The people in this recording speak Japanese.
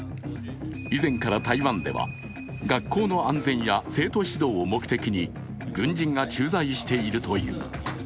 以前から台湾では学校の安全や生徒指導を目的に軍人が駐在しているという。